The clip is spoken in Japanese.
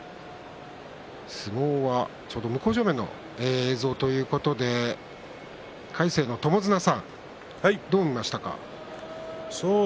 相撲はちょうど向正面の映像ということで、魁聖の友綱さんどう見ましたか？